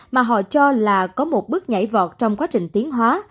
mà họ cho là có một bước nhảy vọt trong quá trình tiến hóa